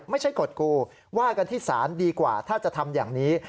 กฎกูว่ากันที่ศาลดีกว่าถ้าจะทำอย่างนี้